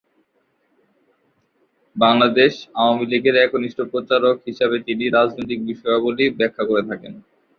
বাংলাদেশ আওয়ামী লীগের একনিষ্ঠ প্রচারক হিসাবে তিনি রাজনৈতিক বিষয়াবলী ব্যাখ্যা করে থাকেন।